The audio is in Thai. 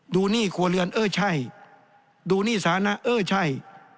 หนี้ครัวเรือนเออใช่ดูหนี้สานะเออใช่